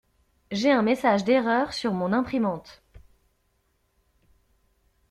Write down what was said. J'ai un message d'erreur sur mon imprimante.